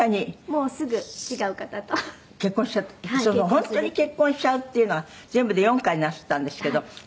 「本当に結婚しちゃうっていうのは全部で４回なすったんですけど」